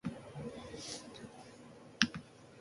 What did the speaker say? Multzoak programatzen dizuena besterik ez duzue ikusten.